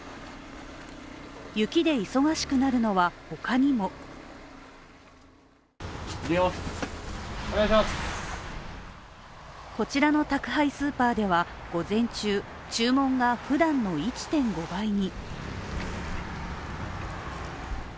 雪で忙しくなるのは、他にもこちらの宅配スーパーでは、午前中、注文がふだんの１．５倍に。